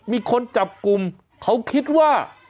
มีคนจับกลุ่มเขาคิดว่า